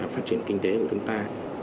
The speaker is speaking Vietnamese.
phát triển kinh tế của chúng ta